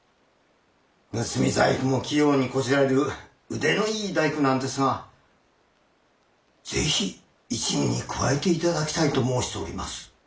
盗み細工も器用にこしらえる腕のいい大工なんですが是非一味に加えて頂きたいと申しております。